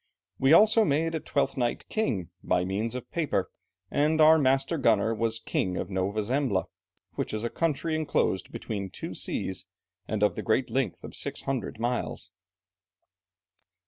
We also made a Twelfth Night king, by means of paper, and our master gunner was king of Nova Zembla, which is a country enclosed between two seas, and of the great length of six hundred miles."